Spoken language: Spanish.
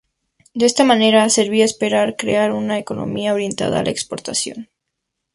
De esta manera Serbia espera crear una economía orientada a la exportación.